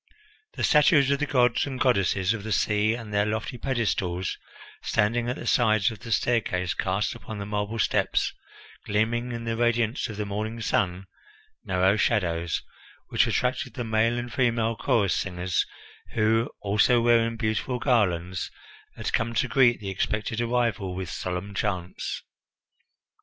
The statues of the gods and goddesses of the sea and their lofty pedestals, standing at the sides of the staircase, cast upon the marble steps, gleaming in the radiance of the morning sun, narrow shadows, which attracted the male and female chorus singers, who, also wearing beautiful garlands, had come to greet the expected arrival with solemn chants.